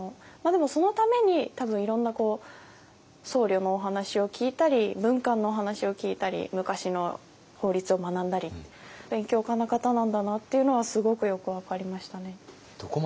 でもそのために多分いろんな僧侶のお話を聞いたり文官のお話を聞いたり昔の法律を学んだり勉強家な方なんだなというのはすごくよく分かりましたね。